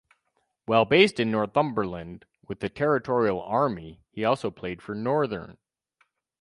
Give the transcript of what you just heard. While based in Northumberland with the Territorial Army he also played for Northern.